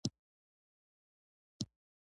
په احتیاط مې د ټپي ځای له شاوخوا ناحیې نه.